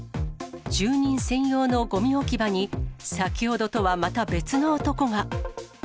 住人専用のごみ置き場に、先ほどとはまた別の男が。